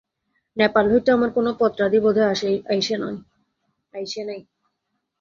নেপাল হইতে আমার কোন পত্রাদি বোধ হয় আইসে নাই।